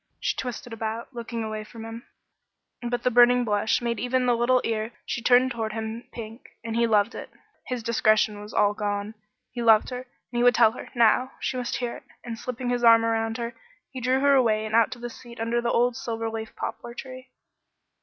She twisted about, looking away from him, but the burning blush made even the little ear she turned toward him pink, and he loved it. His discretion was all gone. He loved her, and he would tell her now now! She must hear it, and slipping his arm around her, he drew her away and out to the seat under the old silver leaf poplar tree.